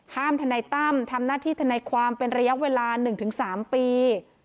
ทนายตั้มทำหน้าที่ธนายความเป็นระยะเวลา๑๓ปี